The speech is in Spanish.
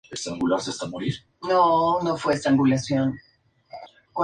El chino era predominante a la hora de editar clásicos de la literatura china.